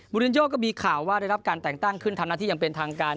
รินโยก็มีข่าวว่าได้รับการแต่งตั้งขึ้นทำหน้าที่อย่างเป็นทางการ